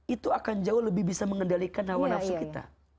itu akan jauh lebih bisa mengendalikan hawa nafsu kita